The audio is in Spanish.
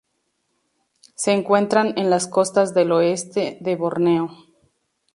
Se encuentran en las costas del oeste de Borneo.